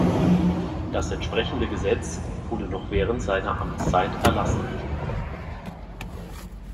Das entsprechende Gesetz wurde noch während seiner Amtszeit erlassen.